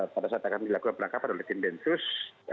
pada saat itu dilakukan perangkapan oleh tim densus